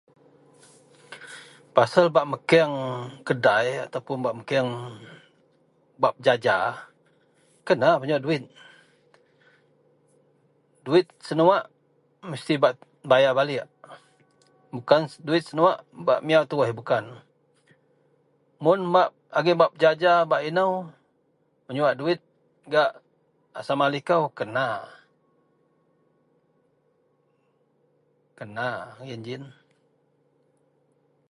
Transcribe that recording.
Pasel bak mekeng kedai atau bak mekeng bak pejaja kena menyuwak duwit, duwit senuwak mesti bak bayar baliek bukan duwit senuwak bak miyaw teruh bukan mun bak agei bak pejaja bak eno menyuwak duwit gak sama liko kena kena geji iyen.